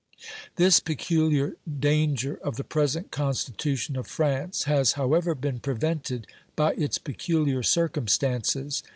This peculiar danger of the present Constitution of France has however been prevented by its peculiar circumstances.